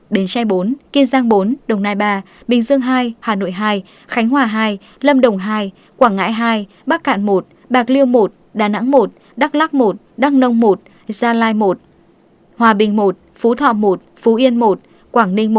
bến tre bốn kiên giang bốn đồng nai ba bình dương hai hà nội hai khánh hòa hai lâm đồng hai quảng ngãi hai bắc cạn một bạc liêu một đà nẵng một đắk lắc một đắk nông một gia lai một hòa bình i phú thọ một phú yên một quảng ninh một